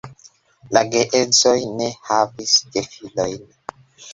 La geedzoj ne havis gefilojn.